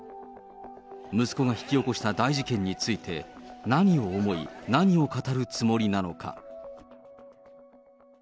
息子が引き起こした大事件について、何を思い、何を語るつもりなのか。